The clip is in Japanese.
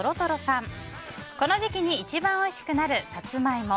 この時期に一番おいしくなるサツマイモ。